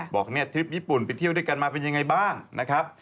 บอกเนี่ยทริปญี่ปุ่นไปเที่ยวด้วยกันมาเป็นยังไงบ้างนะครับ